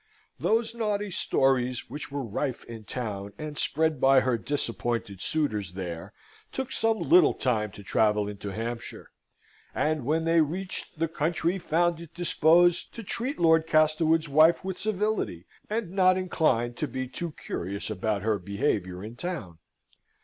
Those naughty stories which were rife in town, and spread by her disappointed suitors there, took some little time to travel into Hampshire; and when they reached the country found it disposed to treat Lord Castlewood's wife with civility, and not inclined to be too curious about her behaviour in town.